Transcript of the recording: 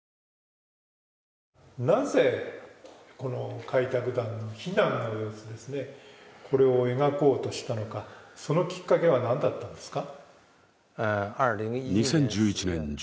なぜ開拓団の避難の様子を描こうとしたのか、そのきっかけは何だったんですか？